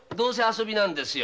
これなんですよ。